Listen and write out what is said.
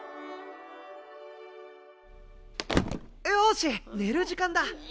よし寝る時間だ。